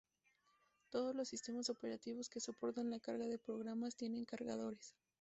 Todos los sistemas operativos que soportan la carga de programas tienen cargadores.